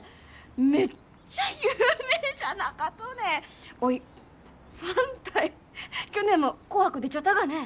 めっちゃ有名じゃなかとねおいファンたい去年も「紅白」出ちょったがね